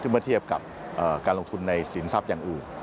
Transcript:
เมื่อเทียบกับการลงทุนในสินทรัพย์อย่างอื่น